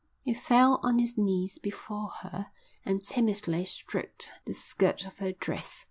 He fell on his knees before her and timidly stroked the skirt of her dress.